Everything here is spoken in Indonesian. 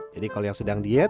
jadi kalau yang sedang diet